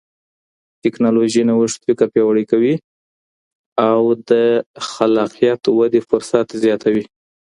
ټکنالوژي نوښت فکر پياوړی کوي او د خلاقيت ودې فرصت زياتوي.